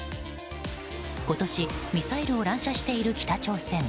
今年、ミサイルを乱射している北朝鮮。